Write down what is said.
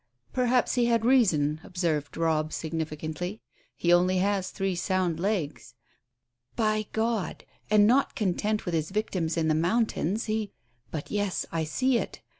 "Perhaps he had reason," observed Robb significantly, "he only has three sound legs. My God! And not content with his victims in the mountains, he But, yes, I see it.